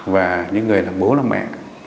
và những người làm bố làm mẹ